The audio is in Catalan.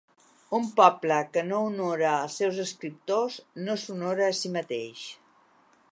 Un poble que no honora els seus escriptors no s'honora a si mateix.